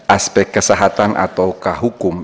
aspek kesehatan atau kehukum